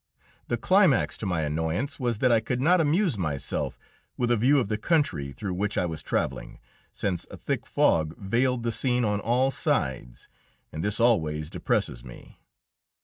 The climax to my annoyance was that I could not amuse myself with a view of the country through which I was travelling, since a thick fog veiled the scene on all sides, and this always depresses me.